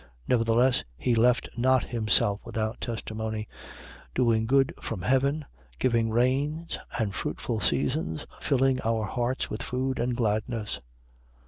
14:16. Nevertheless he left not himself without testimony, doing good from heaven, giving rains and fruitful Seasons, filling our hearts with food and gladness.